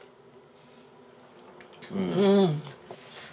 うん。